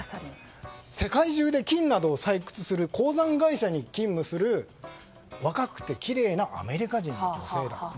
世界中で金などを採掘する鉱山会社に勤務する若くてきれいなアメリカ人の女性だった。